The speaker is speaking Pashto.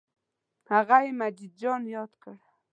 هغه یې مجید جان یاد کړ.